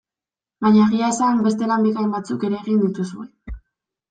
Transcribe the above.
Baina egia esan, beste lan bikain batzuk ere egin dituzue.